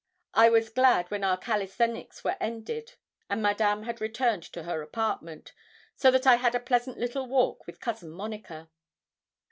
I was glad when our calisthenics were ended, and Madame had returned to her apartment, so that I had a pleasant little walk with Cousin Monica.